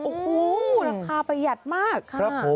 โอ้โหราคาประหยัดมากครับ